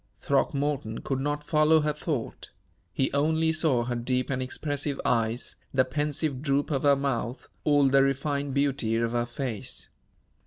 Throckmorton could not follow her thought he only saw her deep and expressive eyes, the pensive droop of her mouth, all the refined beauty of her face.